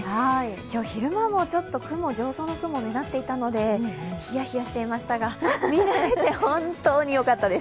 今日昼間もちょっと上層の雲が目立っていましたので冷や冷やしていましたが、見られて本当によかったです。